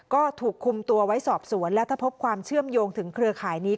ก็ถูกคุมตัวไว้สอบสวนและถ้าพบความเชื่อมโยงถึงเครือข่ายนี้